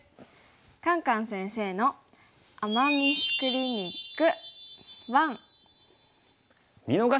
「カンカン先生の“アマ・ミス”クリニック１」。